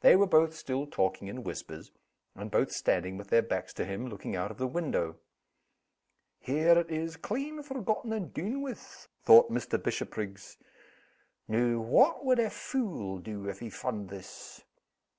They were both still talking in whispers, and both standing with their backs to him, looking out of the window. "Here it is, clean forgotten and dune with!" thought Mr. Bishopriggs. "Noo what would a fule do, if he fund this?